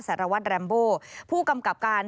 สารวัตรแรมโบผู้กำกับการ